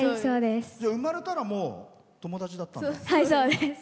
生まれたら、もう友達だった。